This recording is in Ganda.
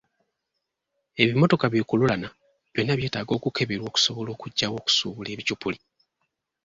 Ebimotoka bi lukuluulana byonna byetaaga okukeberwa okusobola okuggyawo okusuubula ebicupuli.